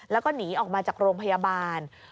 แล้วก็หนีออกมาจากโรงพยาบาล